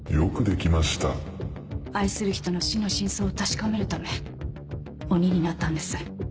愛する人の死の真相を確かめるため鬼になったんです。